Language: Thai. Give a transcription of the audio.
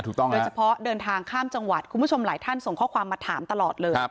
เขาเดินทางกันทั้งครอบครัวเลย